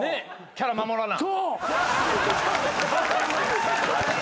キャラ守らな。